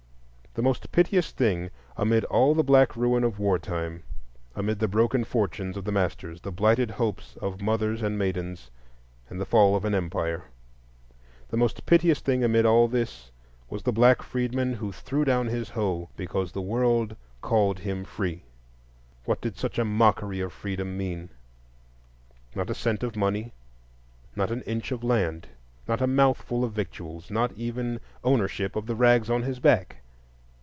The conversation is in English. The most piteous thing amid all the black ruin of war time, amid the broken fortunes of the masters, the blighted hopes of mothers and maidens, and the fall of an empire,—the most piteous thing amid all this was the black freedman who threw down his hoe because the world called him free. What did such a mockery of freedom mean? Not a cent of money, not an inch of land, not a mouthful of victuals,—not even ownership of the rags on his back.